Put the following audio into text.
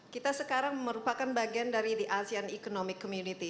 kita sekarang merupakan bagian dari di asean economic community